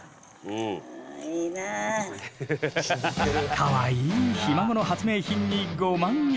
かわいいひ孫の発明品にご満悦。